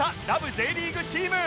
Ｊ リーグチーム